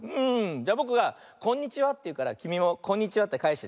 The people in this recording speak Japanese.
じゃあぼくが「こんにちは」っていうからきみも「こんにちは」ってかえしてね。